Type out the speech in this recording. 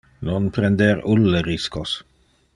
Non prender ulle riscos.